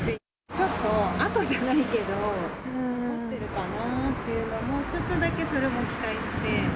ちょっと跡じゃないけど、残ってるかなっていうのをちょっとだけそれも期待して。